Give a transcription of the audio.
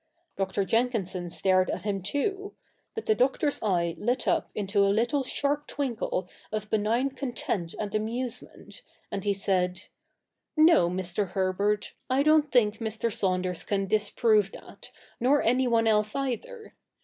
1 )r. Jenkinson stared at him too ; but the Doctor's eye lit up into a little sharp twinkle of benign content and amusement, and he said — 'No, Mr. Herbert, I don't think Mr. Saunders can disprove that, nor any one else either.